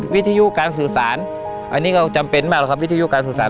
วิทยุการสื่อสารอันนี้ก็จำเป็นมากหรอกครับวิทยุการสื่อสาร